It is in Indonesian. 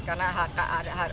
karena selalu ada